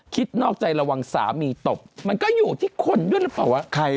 นอกใจระวังสามีตบมันก็อยู่ที่คนด้วยหรือเปล่าว่าใคร